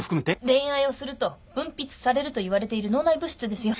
恋愛をすると分泌されるといわれている脳内物質ですよ。